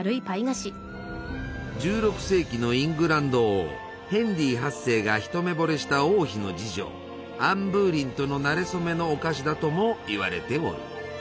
１６世紀のイングランド王ヘンリー８世が一目ぼれした王妃の侍女アン・ブーリンとのなれ初めのお菓子だともいわれておる。